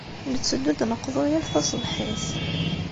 Netteddu ad d-neqḍu yal taṣebḥit.